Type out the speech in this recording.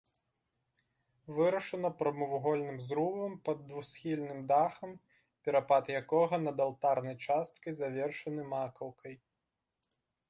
Вырашана прамавугольным зрубам пад двухсхільным дахам, перапад якога над алтарнай часткай завершаны макаўкай.